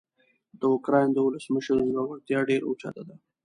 د اوکراین د ولسمشر زړورتیا ډیره اوچته ده.